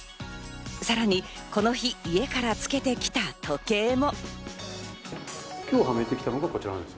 さらにこの日、家からつけてきた時計も。